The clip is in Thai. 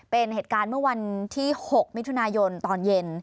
เป็นเหตุการณ์เมื่อวันที่๖มิถุนายนตอนเย็น